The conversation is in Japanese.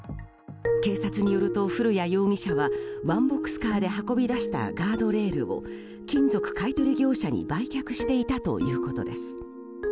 警察によると、古谷容疑者はワンボックスカーで運び出したガードレールを金属買い取り業者に売却していたということです。